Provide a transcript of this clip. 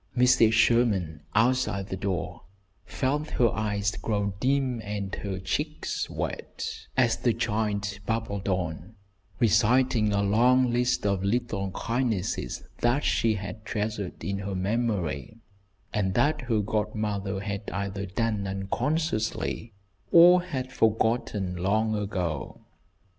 Mrs. Sherman, outside the door, felt her eyes grow dim and her cheeks wet, as the child babbled on, reciting a long list of little kindnesses that she had treasured in her memory, and that her godmother had either done unconsciously, or had forgotten long ago.